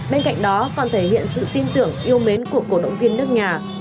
bên cạnh đó còn thể hiện sự tin tưởng yêu mến của cổ động viên nước nhà